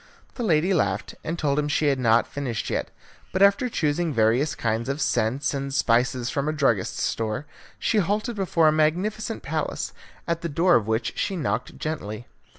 The lady laughed, and told him she had not finished yet, but after choosing various kinds of scents and spices from a druggist's store, she halted before a magnificent palace, at the door of which she knocked gently.